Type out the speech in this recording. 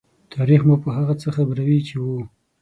تاریخ مو په هغه څه خبروي چې وو.